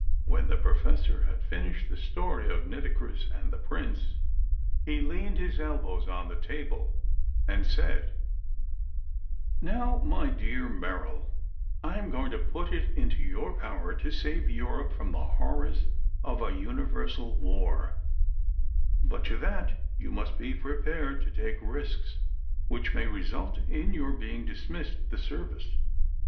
When the Professor had finished the story of Nitocris and the Prince, he leaned his elbows on the table, and said: "Now, my dear Merrill, I am going to put it into your power to save Europe from the horrors of a universal war: but to that you must be prepared to take risks which may result in your being dismissed the Service.